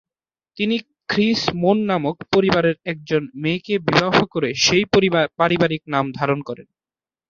তিনি খ্রি-স্মোন নামক পরিবারের একজন মেয়েকে বিবাহ করে সেই পারিবারিক নাম ধারণ করেন।